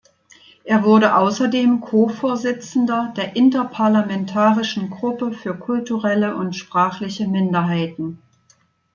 Er wurde außerdem Co-Vorsitzender der Interparlamentarischen Gruppe für kulturelle und sprachliche Minderheiten.